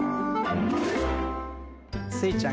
スイちゃん